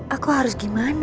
aku harus gimana